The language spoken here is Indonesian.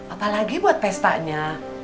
apalagi buat pestanya